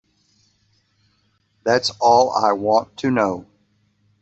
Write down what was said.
That's all I want to know.